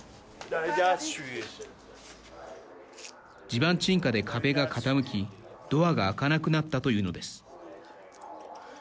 地盤沈下で壁が傾きドアが開かなくなったというのです。